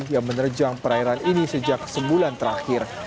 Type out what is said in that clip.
yang menerjang perairan ini sejak sebulan terakhir